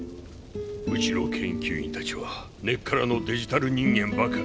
うちの研究員たちは根っからのデジタル人間ばかり。